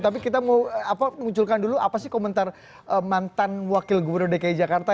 tapi kita mau munculkan dulu apa sih komentar mantan wakil gubernur dki jakarta